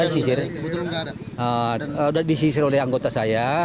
sudah disisir oleh anggota saya